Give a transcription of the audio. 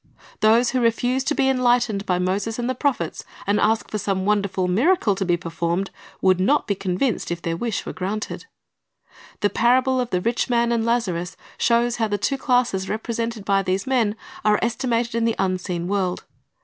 "' Those who refuse to be enlightened by Moses and the prophets, and ask for some wonderful miracle to be performed, would not be convinced if their wish were granted. The parable of the rich man and Lazarus shows how the two classes represented by these men are estimated in the unseen world.